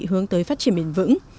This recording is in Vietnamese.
hướng tới phát triển bền vững